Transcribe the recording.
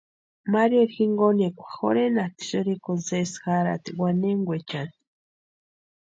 Marieri jinkonikwa jorhenasti sïrikuni sesi jarhati wanenkwechani.